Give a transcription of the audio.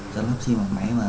cháu lắp sim vào máy và